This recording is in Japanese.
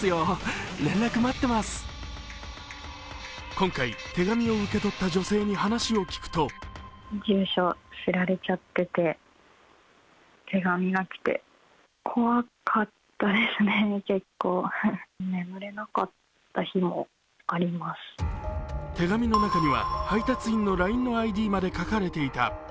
今回、手紙を受け取った女性に話を聞くと手紙の中には、配達員のＬＩＮＥのＩＤまで書かれていた。